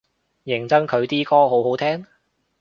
認真佢啲歌好好聽？